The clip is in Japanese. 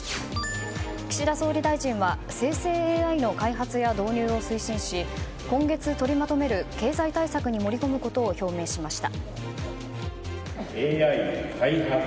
岸田総理大臣は生成ＡＩの開発や導入を推進し、今月取りまとめる経済対策に盛り込むことを表明しました。